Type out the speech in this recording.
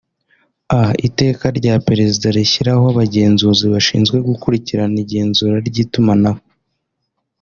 a) Iteka rya Perezida rishyiraho Abagenzuzi bashinzwe gukurikirana igenzura ry’Itumanaho